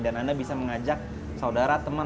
dan anda bisa mengajak saudara teman